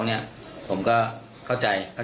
แต่ก็คิดว่าเป็นใครหรอก